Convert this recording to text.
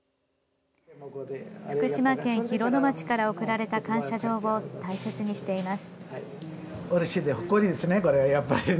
福島県広野町から贈られた感謝状を大切にしています。